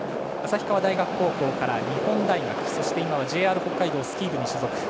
旭川大学高校から日本大学そして今はＪＲ北海道スキー部に所属。